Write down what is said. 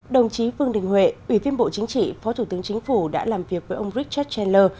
đồng chí phương đình huệ ủy viên bộ chính trị phó thủ tướng chính phủ đã làm việc với ông richard chandler